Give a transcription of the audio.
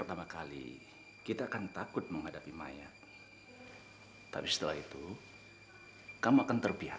sampai jumpa di video selanjutnya